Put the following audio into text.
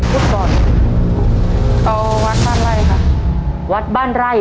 ขอบคุณครับ